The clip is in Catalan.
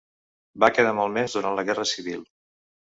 Va quedar malmès durant la Guerra Civil.